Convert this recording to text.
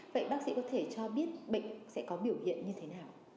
vậy bác sĩ có thể cho biết bệnh sẽ có biểu hiện như thế nào